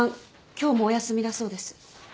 今日もお休みだそうです。